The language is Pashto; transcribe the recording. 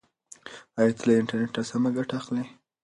ایا ته له انټرنیټه سمه ګټه اخلې؟